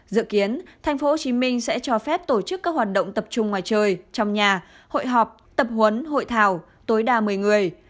dự kiến tp hcm sẽ cho phép tổ chức các hoạt động tập trung ngoài trời trong nhà hội họp tập huấn hội thảo tối đa một mươi người